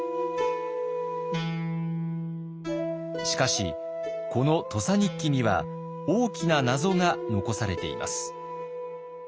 しかしこの「土佐日記」には大きな謎が残されています。